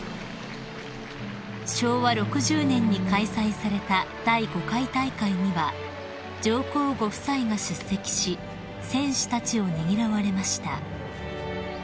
［昭和６０年に開催された第５回大会には上皇ご夫妻が出席し選手たちをねぎらわれました］